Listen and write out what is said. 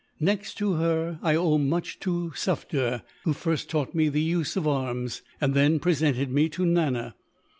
Next to her I owe much to Sufder, who first taught me the use of arms, and then presented me to Nana.